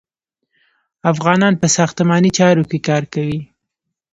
افغانان په ساختماني چارو کې کار کوي.